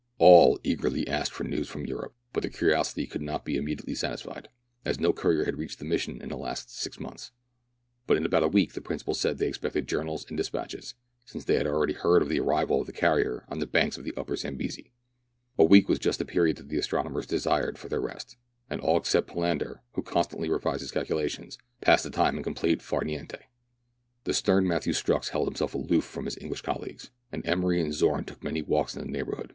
All eagerly asked for news from Europe ; but their curiosity could not be immediately satisfied, as no courier had reached the mission in the last six months ; but in about a week the principal said they expected journals and despatches, since they had already heard of the arrival of a carrier on the banks of the Upper Zambesi. A week was just the period that the astror imers desired for their rest, THREE ENGLISHMEN AND THREE RUSSIANS. 13I and all except Falander, who constantly revised his calcu lations, passed the time in a complete far nicnte. The stern Matthew Strux held himself aloof from his English colleagues, and Emery and Zorn took many walks in the neighbourhood.